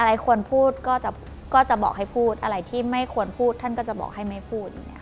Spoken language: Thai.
หลายคนพูดก็จะบอกให้พูดอะไรที่ไม่ควรพูดท่านก็จะบอกให้ไม่พูดอย่างนี้